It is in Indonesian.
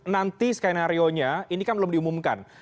nanti skenario nya ini kan belum diumumkan